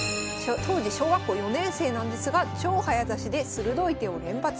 当時小学校４年生なんですが超早指しで鋭い手を連発。